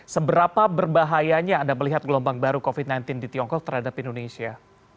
seberapa berbahayanya anda melihat gelombang baru covid sembilan belas di tiongkok terhadap indonesia